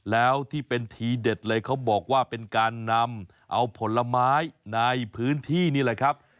แล้วที่เป็นทีเด็ดเลยเขาบอกว่าเป็นการนำเอาผลไม้ในพื้นที่นี่แหละครับ